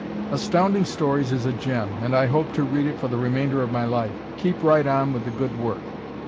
Astounding Stories is a gem, and I hope to read it for the remainder of my life. Keep right on with the good work.